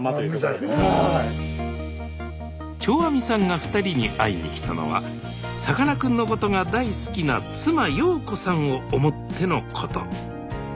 長阿彌さんが２人に会いに来たのはさかなクンのことが大好きな妻陽子さんを思ってのこと。